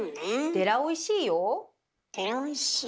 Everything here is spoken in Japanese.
「でらおいしいよ」。